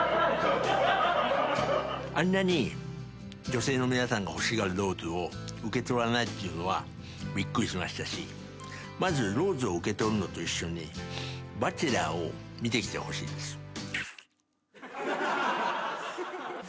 あんなに女性の皆さんが欲しがるローズを受け取らないっていうのはびっくりしましたしまずローズを受け取るのと一緒に『バチェラー』を見てきてほしいです。